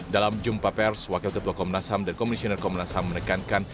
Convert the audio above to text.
dalam jumpa pers wakil ketua komnas ham dan komisioner komnas ham menekankan